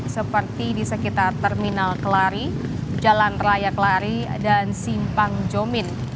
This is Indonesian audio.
seperti di sekitar terminal kelari jalan raya kelari dan simpang jomin